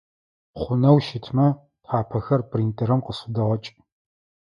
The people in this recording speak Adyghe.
Хъунэу щытмэ тхьапэхэр принтерым къысфыдэгъэкӏ.